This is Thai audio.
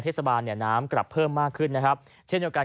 เทศบาลเนี้ยน้ำกลับเพิ่มมากขึ้นนะฮะเช่นต่อกัน